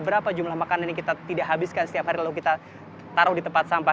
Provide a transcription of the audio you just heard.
berapa jumlah makanan yang kita tidak habiskan setiap hari lalu kita taruh di tempat sampah